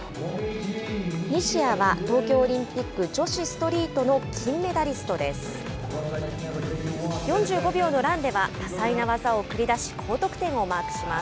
西矢は東京オリンピック女子ストリートの金メダリストです。